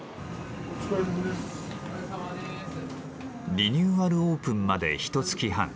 リニューアルオープンまでひとつき半。